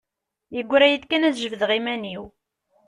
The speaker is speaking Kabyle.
Yeggra-iyi-d kan ad jebdeɣ iman-iw.